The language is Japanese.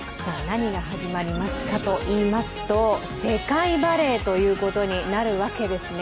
何が始まりますかといいますと世界バレーになるわけです。